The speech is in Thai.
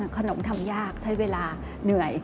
ทำยากใช้เวลาเหนื่อย